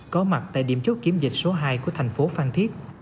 có mặt tại điểm chốt kiểm dịch số hai của thành phố phan thiết